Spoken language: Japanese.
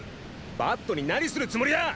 バットに何するつもりだ！